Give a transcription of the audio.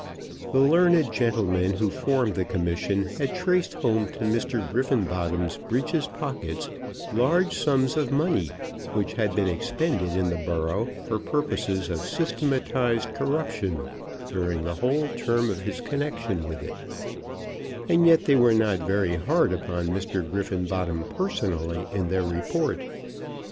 The learned gentlemen who formed the Commission had traced home to Mr. Griffenbottom's breeches pockets large sums of money which had been expended in the borough for purposes of systematised corruption during the whole term of his connection with it; and yet they were not very hard upon Mr. Griffenbottom personally in their report.